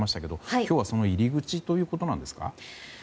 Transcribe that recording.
今日は、その入り口ということなんですか？